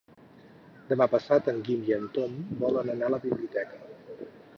Demà passat en Guim i en Tom volen anar a la biblioteca.